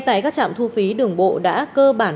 tại các trạm thu phí đường bộ đã cơ bản